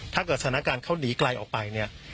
สถานการณ์เขาหนีไกลออกไปเนี่ย